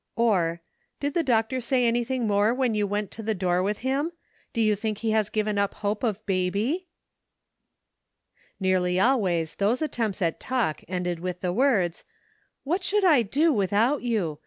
or "Did'the doctor say anything more when you went to the door with him ? Do you think he has given up hope of Bab}^ ?" Nearly always th.ose attempts at talk ended 152 DARK DAY8. with the words, "What should I do without you?